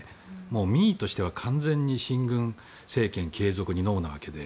民意としては完全に親軍政権にノーなわけで。